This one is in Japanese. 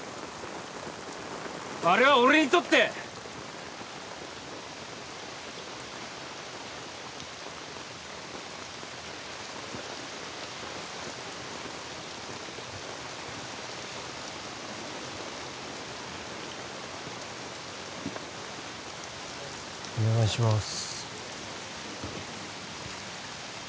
あれは俺にとってお願いしまーす